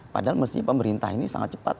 padahal mesti pemerintah ini sangat cepat